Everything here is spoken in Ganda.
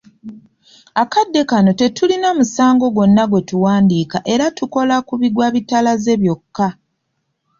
Akadde kano tetulina musango gwonna gwe tuwandiika era tukola ku bigwa bitalaze byokka.